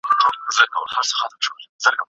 کور زده کړه ستونزه نه جوړوي.